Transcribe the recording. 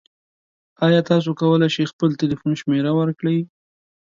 ایا تاسو کولی شئ خپل تلیفون شمیره ورکړئ؟